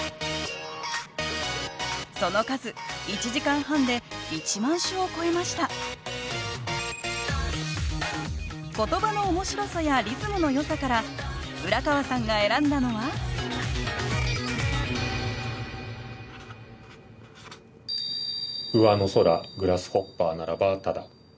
その数１時間半で１万首を超えました言葉の面白さやリズムのよさから浦川さんが選んだのは「上の空グラスホッパーならばただ」。